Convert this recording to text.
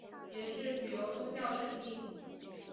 也是旅游宗教胜地。